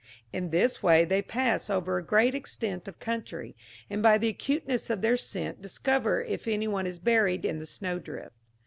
In this way they pass over a great extent of country, and by the acuteness of their scent discover if any one is buried in the snowdrift.